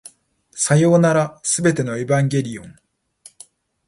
さようなら、全てのエヴァンゲリオン